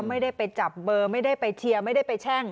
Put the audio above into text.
ไม่ได้ไปจับเบอร์ไม่ได้ไปเชียร์ไม่ได้ไปแช่ง